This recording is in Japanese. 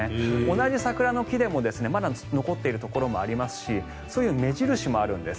同じ桜の木でもまだ残っているところもありますしそういう目印もあるんです。